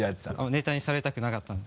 ネタにされたくなかったんで。